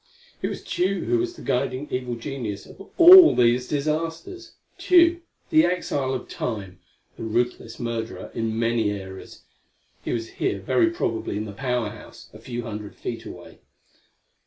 It was Tugh who was the guiding evil genius of all these disasters! Tugh, the exile of Time, the ruthless murderer in many eras! He was here, very probably, in the Power House, a few hundred feet away.